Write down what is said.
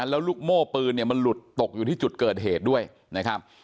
แล้วลูกโม่ปืนเนี่ยมันหลุดตกอยู่ที่จุดเกิดเหตุด้วยนะครับ